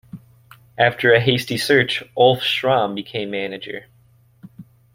After a hasty search, Ulf Schramm became manager.